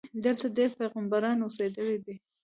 دلته ډېر پیغمبران اوسېدلي دي.